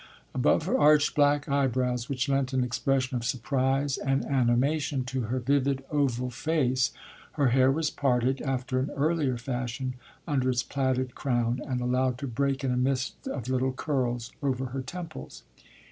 Above her arched black eyebrows, which lent an expression of surprise and animation to her vivid oval face, her hair was parted, after an earlier fashion, under its plaited crown, and allowed to break in a mist of little curls over her temples.